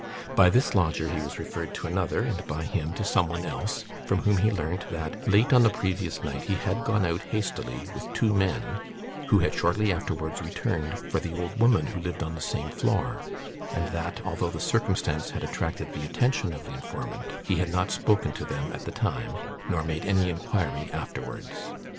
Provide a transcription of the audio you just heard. By this lodger he was referred to another, and by him to someone else, from whom he learnt, that, late on the previous night, he had gone out hastily with two men, who had shortly afterwards returned for the old woman who lived on the same floor; and that, although the circumstance had attracted the attention of the informant, he had not spoken to them at the time, nor made any inquiry afterwards.